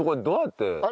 どうやって？